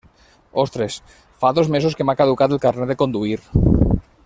Ostres, fa dos mesos que m'ha caducat el carnet de conduir.